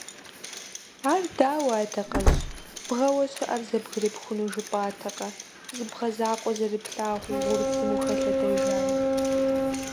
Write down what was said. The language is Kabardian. Ар дауэ, Адакъэжь, бгъэуэ щыӀэр зэбгырыпхуну жыпӀатэкъэ, зы бгъэ закъуэ зэрыплъагъуу гъурцым ухэлъэдэжай?